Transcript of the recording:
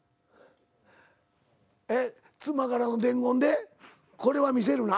妻からの伝言でこれは見せるな？